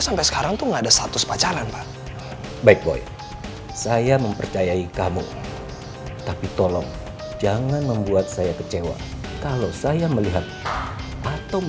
matasin perasaan aku